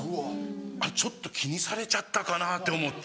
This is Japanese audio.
あっちょっと気にされちゃったかなって思って。